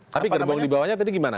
tapi gerbong di bawahnya tadi gimana